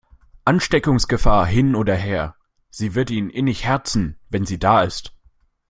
Ansteckungsgefahr hin oder her, sie wird ihn innig herzen, wenn sie da ist.